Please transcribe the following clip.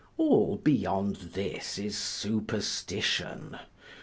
All beyond this is superstition.